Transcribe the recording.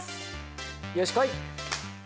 よし来い！